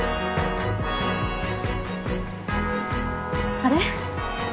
あれ？